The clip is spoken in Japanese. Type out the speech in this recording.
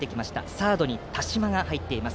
サードに田嶋が入っています。